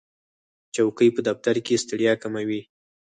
چوکۍ په دفتر کې ستړیا کموي.